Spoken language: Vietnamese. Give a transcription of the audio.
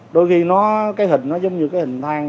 đôi khi nó cái hình nó giống như cái hình thang